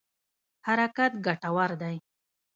حرکت ګټور دی.